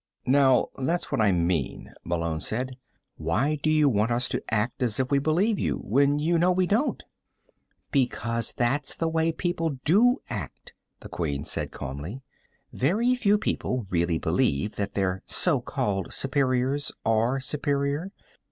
"Now that's what I mean," Malone said. "Why do you want us to act as if we believe you, when you know we don't?" "Because that's the way people do act," the Queen said calmly. "Very few people really believe that their so called superiors are superior.